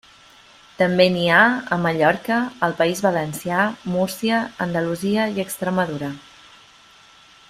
També n'hi ha a Mallorca, al País Valencià, Múrcia, Andalusia i Extremadura.